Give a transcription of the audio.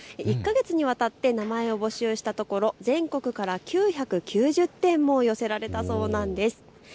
１か月にわたって名前を募集したところ全国から９９０点も寄せられたそうです。